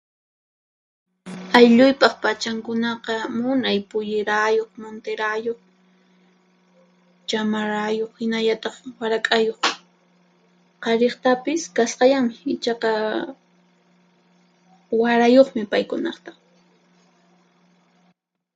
Aylluypaq p'achankunaqa munay pullirayuq, muntirayuq, chamarayuq hinallataq warak'ayuq. Qhariqtapis kasqallanmi, ichaqa warayuqmi paykunaqta.